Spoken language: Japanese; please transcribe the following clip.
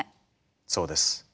そうです。